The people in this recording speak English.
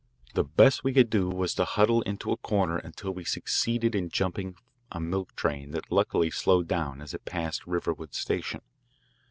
The best we could do was to huddle into a corner until we succeeded in jumping a milk train that luckily slowed down as it passed Riverwood station.